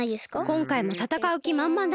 こんかいもたたかうきまんまんだね。